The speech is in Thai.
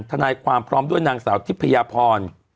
ทนายความพร้อมด้วยนางสาวทิพยาพร